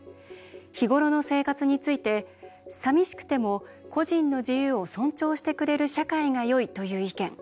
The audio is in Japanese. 日ごろの生活について「さみしくても個人の自由を尊重してくれる社会がよい」という意見。